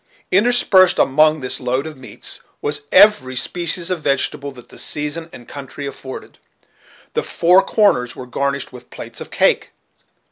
Interspersed among this load of meats was every species of vegetables that the season and country afforded. The four corners were garnished with plates of cake.